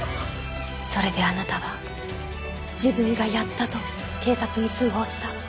それであなたは自分がやったと警察に通報した。